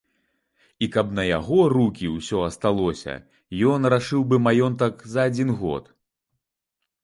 І каб на яго рукі ўсё асталося, ён рашыў бы маёнтак за адзін год.